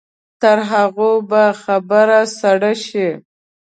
تر هغو به خبره سړه شي.